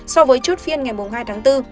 so với chốt phiên ngày hai bốn